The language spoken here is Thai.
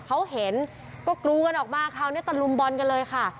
เขาเห็นก็กรูกันออกมาคราวนี้ตะลุมบอลกันเลยค่ะ